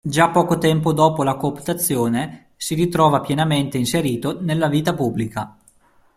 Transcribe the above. Già poco tempo dopo la cooptazione si ritrova pienamente inserito nella vita pubblica.